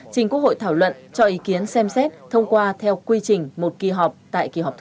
trình quốc hội thảo luận cho ý kiến xem xét thông qua theo quy trình một kỳ họp tại kỳ họp thứ tám